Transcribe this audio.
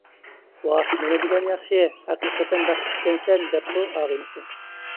-ۋاھ، نېمىدېگەن ياخشى، ھەقىقەتەن بەختلىكسەن، -دەپتۇ ئاغىنىسى.